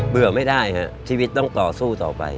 เบื่อไม่ได้ฮะชีวิตต้องต่อสู้ต่อไป